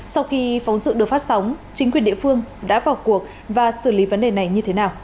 sau khi phóng sự được phát sóng chính quyền địa phương đã vào cuộc và xử lý vấn đề này như thế nào